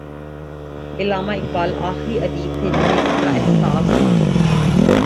علامہ اقبال آخری ادیب تھے جنہیں اس کا احساس تھا۔